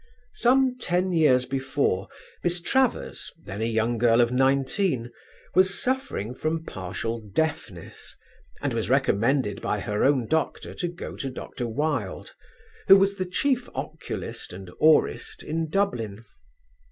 Some ten years before, Miss Travers, then a young girl of nineteen, was suffering from partial deafness, and was recommended by her own doctor to go to Dr. Wilde, who was the chief oculist and aurist in Dublin.